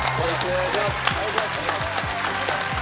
お願いします。